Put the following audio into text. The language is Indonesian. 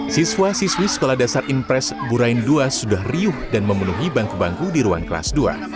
siswa siswi sekolah dasar impres burain ii sudah riuh dan memenuhi bangku bangku di ruang kelas dua